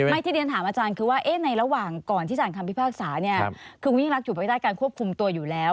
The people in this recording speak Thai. ที่เรียนถามอาจารย์คือว่าในระหว่างก่อนที่สารคำพิพากษาเนี่ยคือคุณยิ่งรักอยู่ไปด้านการควบคุมตัวอยู่แล้ว